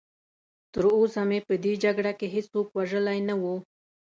تراوسه مې په دې جګړه کې هېڅوک وژلی نه و.